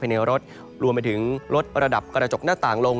ในรถรวมไปถึงลดระดับกระจกหน้าต่างลง